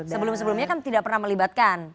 sebelum sebelumnya kan tidak pernah melibatkan